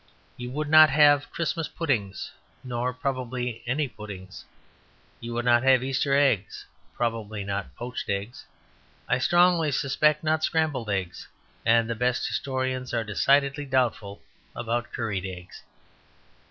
You would not have Christmas puddings, nor (probably) any puddings; you would not have Easter eggs, probably not poached eggs, I strongly suspect not scrambled eggs, and the best historians are decidedly doubtful about curried eggs.